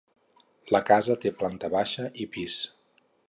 La casa té planta baixa i pis.